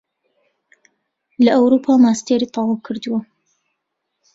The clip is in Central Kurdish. لە ئەوروپا ماستێری تەواو کردووە